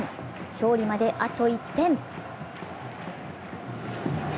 勝利まであと１点。